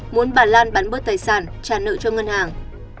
muốn bà lan bán bớt tài sản trả nợ cho ngân hàng